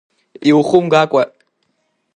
Иухумгакәа!